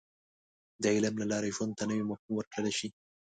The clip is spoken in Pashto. • د علم له لارې، ژوند ته نوی مفهوم ورکولی شې.